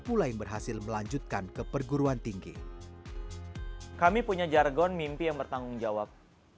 pula yang berhasil melanjutkan ke perguruan tinggi kami punya jargon mimpi yang bertanggungjawab